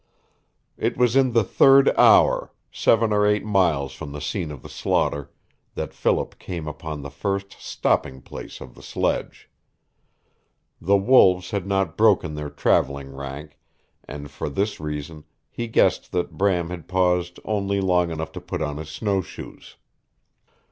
It was in the third hour, seven or eight miles from the scene of slaughter, that Philip came upon the first stopping place of the sledge. The wolves had not broken their traveling rank, and for this reason he guessed that Bram had paused only long enough to put on his snowshoes.